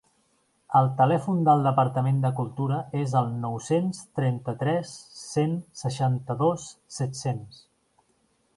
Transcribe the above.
El telèfon del Departament de Cultura és el nou-cents trenta-tres cent seixanta-dos set-cents.